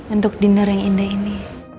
untuk dinner yang indah ini